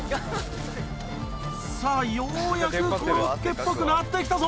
さあようやくコロッケっぽくなってきたぞ